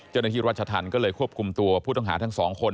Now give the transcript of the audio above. เจ้าหน้าที่รัชธรรมก็เลยควบคุมตัวผู้ต้องหาทั้งสองคน